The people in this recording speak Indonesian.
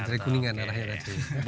kan dari kuningan arahnya